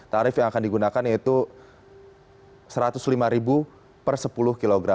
tarif yang akan digunakan yaitu rp satu ratus lima per sepuluh kg